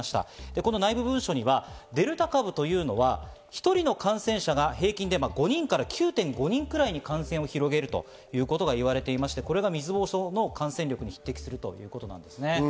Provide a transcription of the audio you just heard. この内部文書にはデルタ株というのは１人の感染者が平均で５人から９．５人に広げるといわれていまして、これが水ぼうそうの感染力に匹敵するということなんです。